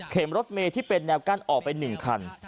รถเมย์ที่เป็นแนวกั้นออกไป๑คัน